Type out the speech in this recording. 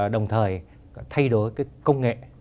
đồng thời thay đổi công nghệ